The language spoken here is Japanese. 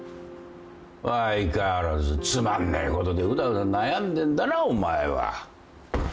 ・相変わらずつまんねえことでうだうだ悩んでんだなお前は。